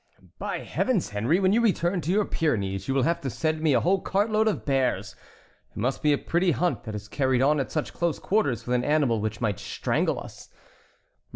"By Heavens, Henry, when you return to your Pyrenees you will have to send me a whole cartload of bears. It must be a pretty hunt that is carried on at such close quarters with an animal which might strangle us.